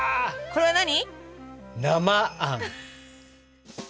これは何？